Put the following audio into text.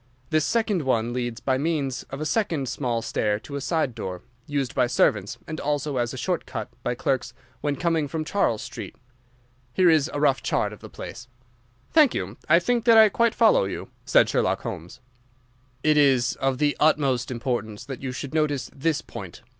This second one leads by means of a second small stair to a side door, used by servants, and also as a short cut by clerks when coming from Charles Street. Here is a rough chart of the place." rough chart "Thank you. I think that I quite follow you," said Sherlock Holmes. "It is of the utmost importance that you should notice this point.